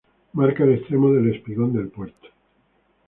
Marca el extremo del espigón del puerto.